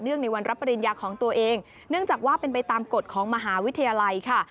ในวันรับปริญญาของตัวเองเนื่องจากว่าเป็นไปตามกฎของมหาวิทยาลัยค่ะ